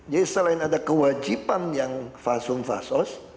selain ada kewajiban yang fasum fasos